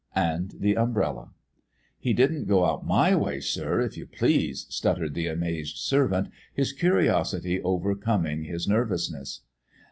"And the umbrella." "He didn't go out my way, sir, if you please," stuttered the amazed servant, his curiosity overcoming his nervousness.